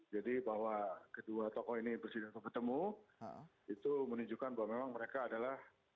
jadi bahwa kedua tokoh ini bersidang kebetemu itu menunjukkan bahwa memang mereka adalah